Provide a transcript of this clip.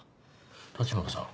立花さん